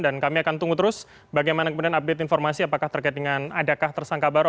dan kami akan tunggu terus bagaimana kemudian update informasi apakah terkait dengan adakah tersangka baru